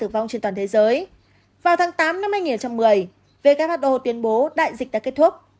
vào tháng tám năm hai nghìn một mươi who tuyên bố đại dịch đã kết thúc